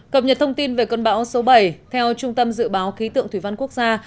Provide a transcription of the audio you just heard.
cập nhật thông tin về cơn bão số bảy theo trung tâm dự báo khí tượng thủy văn quốc gia